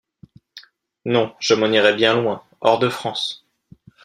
Non: je m’en irai bien loin, hors de France.